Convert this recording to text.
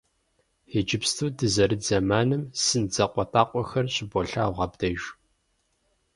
Иджыпсту дызэрыт зэманым сын закъуэтӏакъуэхэр щыболъагъу абдеж.